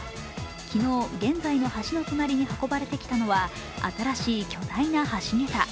昨日現在の橋の隣に運ばれてきたのはあたらしい巨大な橋桁。